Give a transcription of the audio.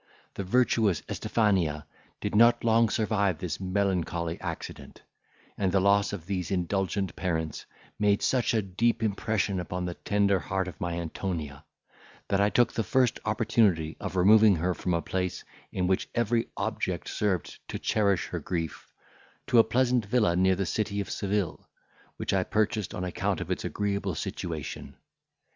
The virtuous Estifania did not long survive this melancholy accident; and the loss of these indulgent parents made such a deep impression upon the tender heart of my Antonia, that I took the first opportunity of removing her from a place in which every object served to cherish her grief, to a pleasant villa near the city of Seville, which I purchased on account of its agreeable situation.